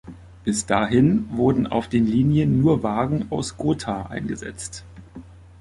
Bis dahin wurden auf den Linien nur Wagen aus Gotha eingesetzt.